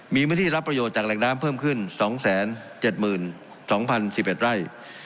มีพื้นที่รับประโยชนจากแหล่งน้ำเพิ่มขึ้น๒๗๒๐๑๑ไร่